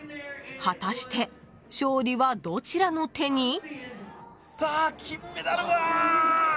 果たして勝利は、どちらの手に？